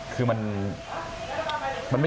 สวัสดีครับ